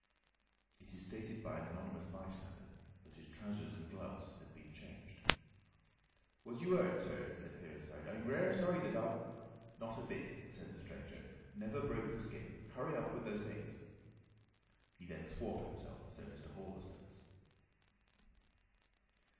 It is stated by an anonymous bystander that his trousers and gloves had been changed. "Was you hurt, sir?" said Fearenside. "I'm rare sorry the darg—" "Not a bit," said the stranger. "Never broke the skin. Hurry up with those things." He then swore to himself, so Mr. Hall asserts.